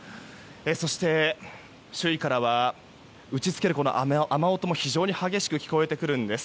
そして周囲からは打ち付ける雨音も非常に激しく聞こえてくるんです。